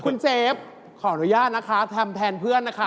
คุณเซฟขออนุญาตนะคะทำแทนเพื่อนนะคะ